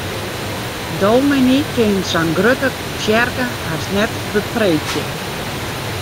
Dominy kin sa'n grutte tsjerke hast net bepreekje.